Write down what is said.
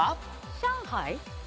上海。